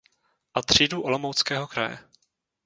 A třídu Olomouckého kraje.